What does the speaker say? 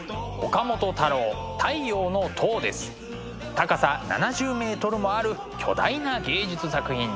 高さ７０ｍもある巨大な芸術作品です。